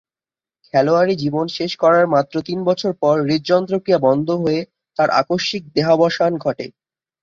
খেলোয়াড়ী জীবন শেষ করার মাত্র তিন বছর পর হৃদযন্ত্র ক্রিয়া বন্ধ হয়ে তার আকস্মিক দেহাবসান ঘটে।